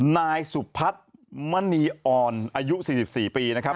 นายสุพัฒน์มณีอ่อนอายุ๔๔ปีนะครับ